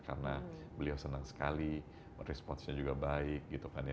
karena beliau senang sekali responsnya juga baik gitu kan ya